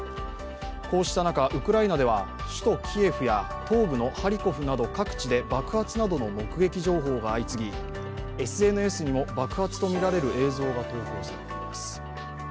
こうした中、ウクライナでは首都キエフや東部のハリコフなど各地で爆発などの目撃情報が相次ぎ、ＳＮＳにも爆発とみられる映像が投稿されています。